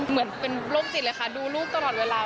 เหมือนเป็นโรคจิตเลยค่ะดูลูกตลอดเวลา